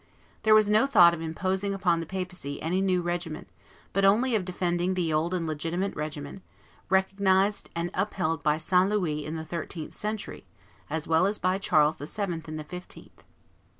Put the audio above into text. There was no thought of imposing upon the papacy any new regimen, but only of defending the old and legitimate regimen, recognized and upheld by St. Louis in the thirteenth century as well as by Charles VII. in the fifteenth.